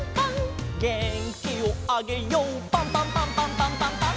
「げんきをあげようパンパンパンパンパンパンパン！！」